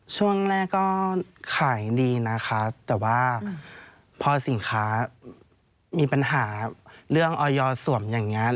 ช่วงแรกก็ขายดีนะคะแต่ว่าพอสินค้ามีปัญหาเรื่องออยสวมอย่างนี้